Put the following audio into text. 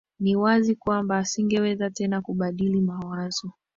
ni wazi kwamba asingeweza tena kubadili mawazo